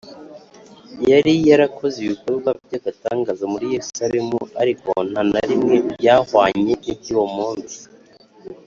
yari yarakoze ibikorwa by’agatangaza muri yerusalemu, ariko nta na rimwe byahwanye n’iby’uwo munsi